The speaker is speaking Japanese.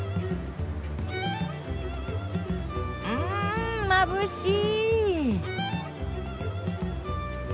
うんまぶしい。